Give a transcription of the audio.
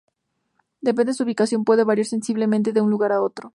Depende de su ubicación: puede variar sensiblemente de un lugar a otro.